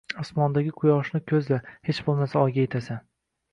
Osmondagi quyoshni ko'zla hech bo'lmasa Oyga yetasan.